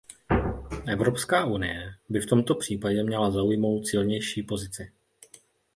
Evropská unie by v tomto případě měla zaujmout silnější pozici.